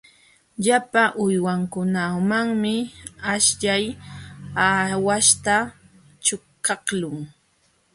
Llapa uywankunamanmi aśhllay aawaśhta ćhuqaqlun.